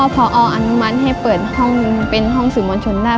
เพราะผออนุมัติให้เปิดห้องสื่อมวลชนได้